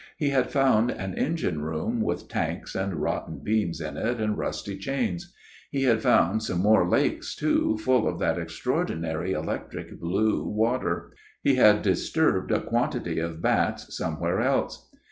He had found an engine room with tanks and rotten beams in it, and rusty chains. He had found some more lakes too, full of that extraordinary electric blue water ; he had disturbed a quantity of bats somewhere else.